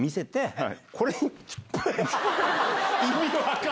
はい。